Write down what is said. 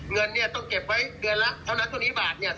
เงินต้องเก็บไว้เงินแล้วเท่านั้นตรงนี้บาท